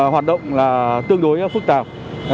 hoạt động là tương đối phức tạp